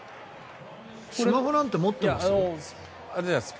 スマホなんて持ってます？